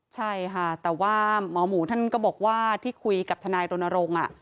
ใช่ค่ะแต่ว่าหมอหมูท่านก็บอกว่าที่คุยกับทนายรณรงค์